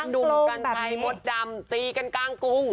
หนุ่มกัญชัยมดดำตีกันกลางกรุง